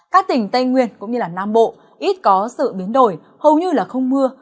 các tỉnh tây nguyên cũng như nam bộ ít có sự biến đổi hầu như là không mưa